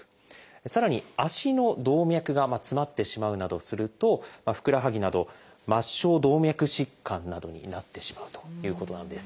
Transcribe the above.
さらに足の動脈が詰まってしまうなどするとふくらはぎなど末梢動脈疾患などになってしまうということなんです。